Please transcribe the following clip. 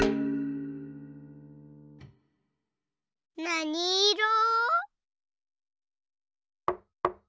なにいろ？